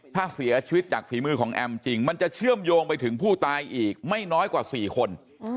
ถ้าเสียชีวิตจากฝีมือของแอมจริงมันจะเชื่อมโยงไปถึงผู้ตายอีกไม่น้อยกว่า๔คน